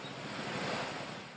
desa yang lebih dari villano selection